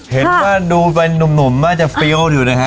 เห็นว่าหนุ่มมากจะฟิลดอยู่นะฮะ